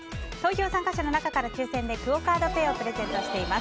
参加した方の中からクオ・カードペイをプレゼントしています。